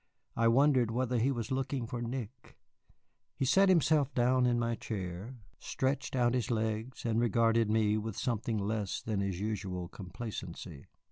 I wondered whether he were looking for Nick. He sat himself down in my chair, stretched out his legs, and regarded me with something less than his usual complacency.